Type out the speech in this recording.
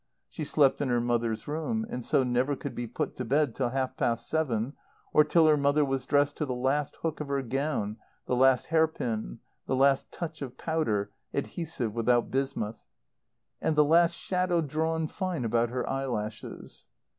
She slept in her mother's room, and so never could be put to bed till half past seven, or till her mother was dressed to the last hook of her gown, the last hairpin, the last touch of powder (adhesive without bismuth), and the last shadow drawn fine about her eyelashes.